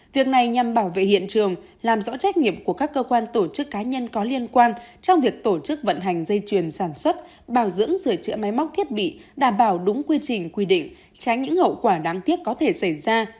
việc này nhằm bảo vệ hiện trường làm rõ trách nhiệm của các cơ quan tổ chức cá nhân có liên quan trong việc tổ chức vận hành dây chuyền sản xuất bảo dưỡng sửa chữa máy móc thiết bị đảm bảo đúng quy trình quy định tránh những hậu quả đáng tiếc có thể xảy ra